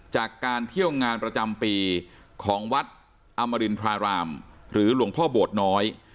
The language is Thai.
จากการเที่ยวงานประจำปีของวัดอมรินทรารามหรือหลวงพ่อโบสถน้อย